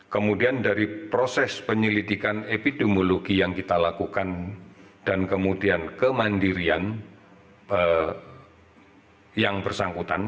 kemudian dari proses penyelidikan epidemiologi yang kita lakukan dan kemudian kemandirian yang bersangkutan